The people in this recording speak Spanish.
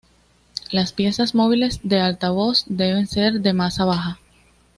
Las piezas móviles del altavoz deben ser de masa baja.